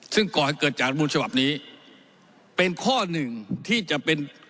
ซึ่งก่อให้เกิดจากรัฐมูลฉบับนี้เป็นข้อหนึ่งที่จะเป็น